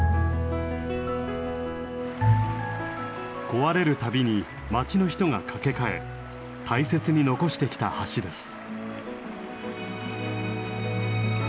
壊れる度に町の人が架け替え大切に残してきた橋です。